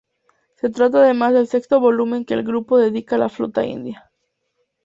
Se trata además del sexto volumen que el grupo dedica a la flauta india.